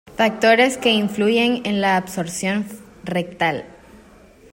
Factores que influyen en la absorción rectal.